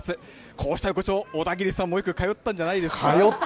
こうした横丁、小田切さんもよく通ったんじゃないんですか？